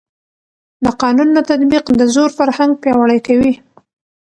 د قانون نه تطبیق د زور فرهنګ پیاوړی کوي